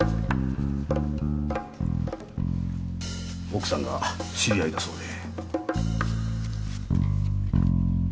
奥さんが知り合いだそうで。